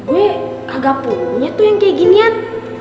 gue agak punya tuh yang kayak ginian